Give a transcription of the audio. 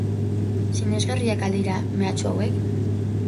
Sinesgarriak al dira mehatxu hauek?